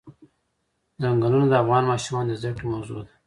چنګلونه د افغان ماشومانو د زده کړې موضوع ده.